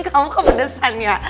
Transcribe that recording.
kamu kepedesan ya